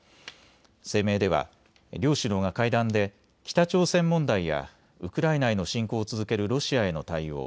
声明では両首脳が会談で北朝鮮問題やウクライナへの侵攻を続けるロシアへの対応